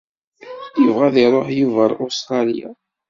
Yebɣa ad iruḥ Yuba ɣer Ustṛalya.